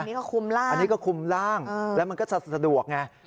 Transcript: อันนี้ก็คุมร่างอันนี้ก็คุมร่างแล้วมันก็จะสะดวกไง